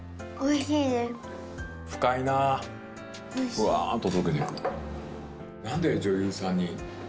ふわっと溶けてく。